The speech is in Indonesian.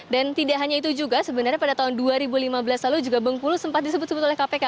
dan tidak hanya itu juga sebenarnya pada tahun dua ribu lima belas lalu juga bengkulu sempat disebut sebut oleh kpk